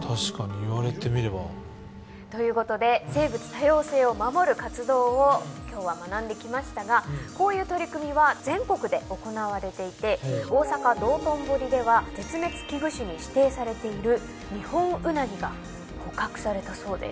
確かに言われてみれば。ということで生物多様性を守る活動を今日は学んできましたがこういう取り組みは全国で行われていて大阪道頓堀では絶滅危惧種に指定されているニホンウナギが捕獲されたそうです。